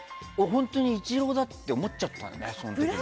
本当にイチローだって思っちゃったんだよね。